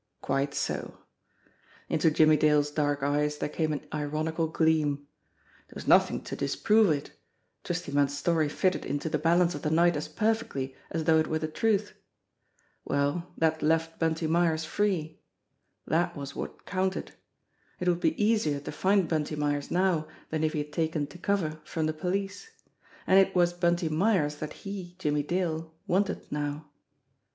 Quite so! Into Jimmie Dale's dark eyes there came an ironical gleam. There was nothing to disprove it. Twisty Munn's story fitted into the balance of the night as perfectly as though it were the truth! Well, that left Bunty Myers free! That was what counted. It would be easier to find Bunty Myers now than if he had taken to cover from the police. And it was Bunty Myers that he, Jimmie Dale, wanted now